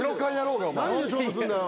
何で勝負すんだよ。